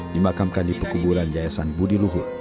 dimakamkan di pekuburan yayasan budi luhur